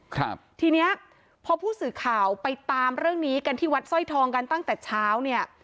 ทีเนี้ยพอผู้สื่อข่าวไปตามเรื่องนี้กันที่วัดสร้อยทองกันตั้งแต่เช้าเนี่ย